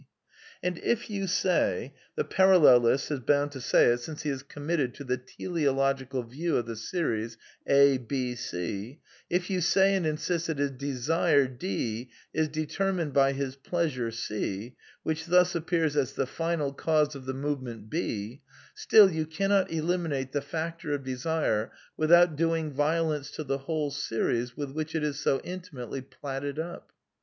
And if you say (the parallelist is bound to say it, since he is committed to the teleological view of the series a', V, (f,), if you say and insist that his desire d\ is determined by his pleasure (/, which thus appears as the final cause oi the movement h, still, you cannot elimi nate the factor of desire without doing violence to the whole series with which it is so intimately platted up.